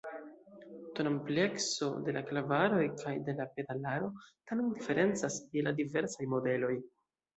Tonamplekso de la klavaroj kaj de la pedalaro tamen diferencas je la diversaj modeloj.